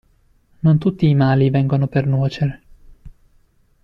Non tutti i mali vengono per nuocere.